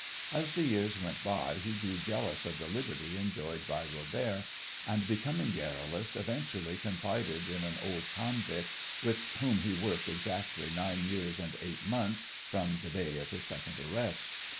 As the years went by he grew jealous of the liberty enjoyed by Robert, and, becoming garrulous, eventually confided in an old convict with whom he worked exactly nine years and eight months from the day of his second arrest.